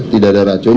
tidak ada racun